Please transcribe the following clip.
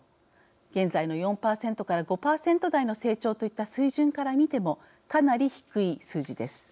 現在の４％から５％台の成長といった水準から見てもかなり低い数字です。